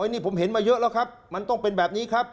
นี่ผมเห็นมาเยอะแล้วครับมันต้องเป็นแบบนี้ครับ